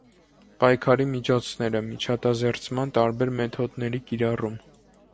Պայքարի միջոցները՝ միջատազերծման տարբեր մեթոդների կիրառում։